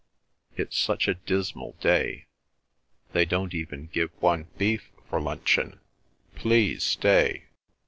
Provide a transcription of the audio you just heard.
It's such a dismal day. They don't even give one beef for luncheon. Please stay."